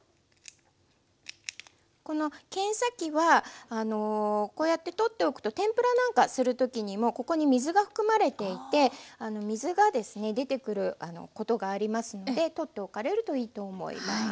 この剣先はこうやって取っておくと天ぷらなんかする時にもここに水が含まれていて水がですね出てくることがありますので取っておかれるといいと思います。